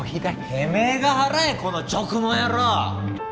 てめえが払えこの直毛野郎